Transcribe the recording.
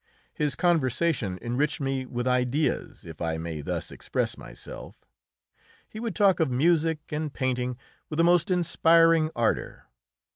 His conversation enriched me with ideas, if I may thus express myself. He would talk of music and painting with the most inspiring ardour.